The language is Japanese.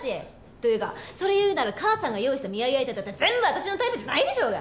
というかそれを言うなら母さんが用意した見合い相手だって全部私のタイプじゃないでしょうが。